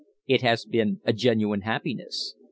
It has been a genuine happiness."